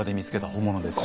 本物ですよ。